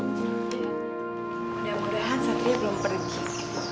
mudah mudahan sapi belum pergi